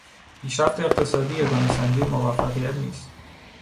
پیشرفت اقتصادی یگانه سنجهی موفقیت نیست.